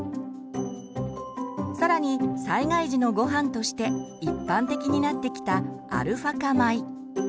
更に災害時のごはんとして一般的になってきたアルファ化米。